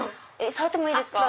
触ってもいいですか？